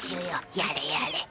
やれやれ。